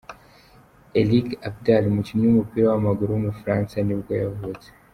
Eric Abidal, umukinnyi w’umupira w’amaguru w’umufaransa ni bwo yavutse.